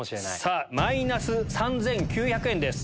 マイナス３９００円です